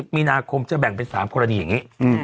มีนาคมจะแบ่งเป็น๓กรณีอย่างนี้